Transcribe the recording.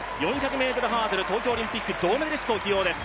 ４００ｍハードル東京オリンピック銅メダリストを投入です。